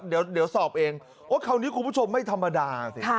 เดี๋ยวสอบเองว่าคลิปว่าคุณผู้ชมไม่ธาบดาม